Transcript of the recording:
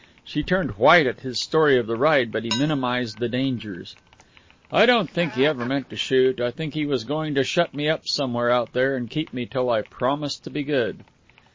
She turned white at his story of the ride, but he minimized the dangers. "I don't think he ever meant to shoot. I think he was going to shut me up somewhere out there, and keep me till I promised to be good."